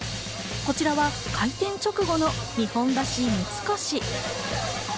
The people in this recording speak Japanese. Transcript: こちらは開店直後の日本橋三越。